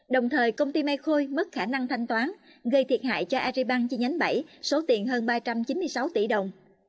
đồng thời công ty may khôi mất khả năng thanh toán gây thiệt hại cho ariban chi nhánh bảy số tiền hơn ba trăm chín mươi sáu tỷ đồng